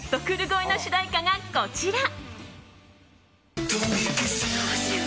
超えの主題歌がこちら。